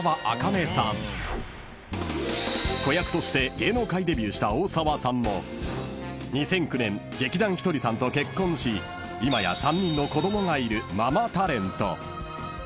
［子役として芸能界デビューした大沢さんも２００９年劇団ひとりさんと結婚し今や３人の子供がいるママタレント］